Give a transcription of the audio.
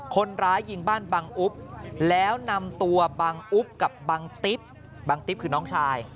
คนร้ายยิงบ้านบังอุ๊บแล้วนำตัวบังอุ๊บกับบังติ๊บบังติ๊บคือน้องชาย